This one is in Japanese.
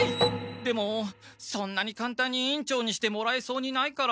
でもそんなにかんたんに委員長にしてもらえそうにないから。